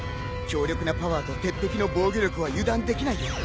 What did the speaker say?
強力なパワーと鉄壁の防御力は油断できないよ。